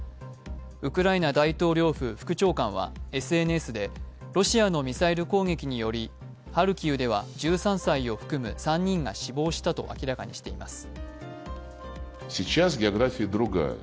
ウクライナ大統領府副長官はＳＮＳでロシアのミサイル攻撃によりハルキウでは１３歳を含む３人が死亡したと明らかにしています。